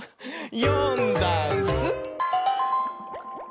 「よんだんす」